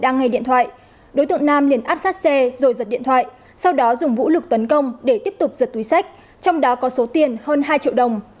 đăng nghe điện thoại đối tượng nam liền áp sát xe rồi giật điện thoại sau đó dùng vũ lực tấn công để tiếp tục giật túi sách trong đó có số tiền hơn hai triệu đồng